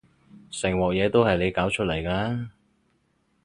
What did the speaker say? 成鑊嘢都係你搞出嚟㗎